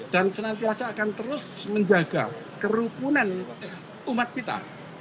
dan senantiasa akan terus menjaga kerupunan umat kita